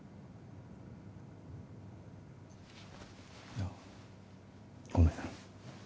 あっごめん。